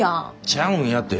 ちゃうんやて。